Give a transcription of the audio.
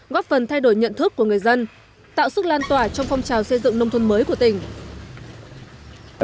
góp phần thay đổi nhận thức của người dân tạo sức lan tỏa trong phong trào xây dựng nông thôn mới của tỉnh